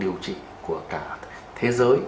điều trị của cả thế giới